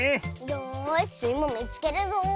よしスイもみつけるぞ。